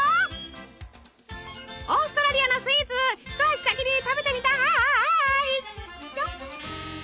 オーストラリアのスイーツ一足先に食べてみたい！